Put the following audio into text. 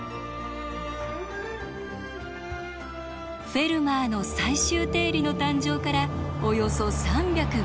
「フェルマーの最終定理」の誕生からおよそ３５０年。